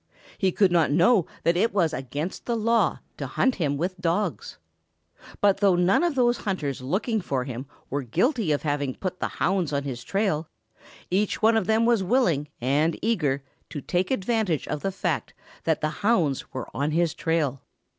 He could not know that it was against the law to hunt him with dogs. But though none of those hunters looking for him were guilty of having put the hounds on his trail, each one of them was willing and eager to take advantage of the fact that the hounds were on his trail.